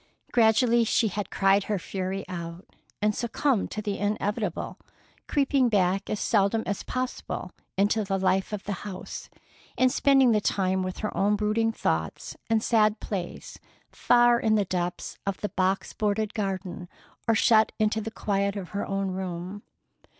Gradually she had cried her fury out, and succumbed to the inevitable, creeping back as seldom as possible into the life of the house, and spending the time with her own brooding thoughts and sad plays, far in the depths of the box boarded garden, or shut into the quiet of her own room.